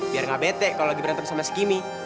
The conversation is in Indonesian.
biar gak bete kalau lagi berantem sama segini